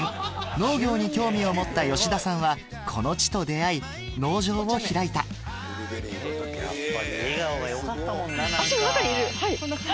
農業に興味を持った吉田さんはこの地と出会い農場を開いた足を中に入れる。